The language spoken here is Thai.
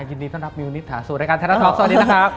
ยินดีต้อนรับมิวนิษฐาสู่รายการไทยรัฐท็อกสวัสดีนะครับ